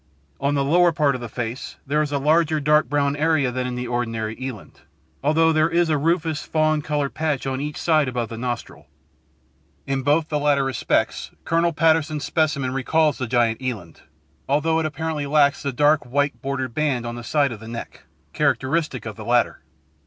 On the lower part of the face there is a larger dark brown area than in the ordinary eland, although there is a rufous fawn coloured patch on each side above the nostril. In both the latter respects Colonel Patterson's specimen recalls the giant eland, although it apparently lacks the dark white bordered band on the side of the neck, characteristic of the latter.